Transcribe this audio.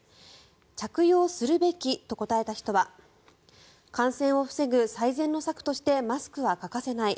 着用するべきと答えた人は感染を防ぐ最善の策としてマスクは欠かせない。